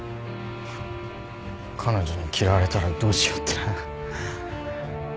彼女に嫌われたらどうしようってな。